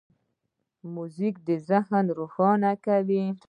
موزیک ذهن روښانه کوي.